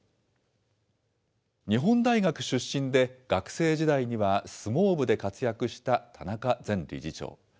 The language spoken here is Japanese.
日本大学出身で学生時代には相撲部で活躍した田中前理事長。